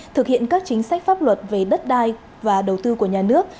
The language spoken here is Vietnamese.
thực hiện các chính sách pháp luật về đất đai và đầu tư của nhà nước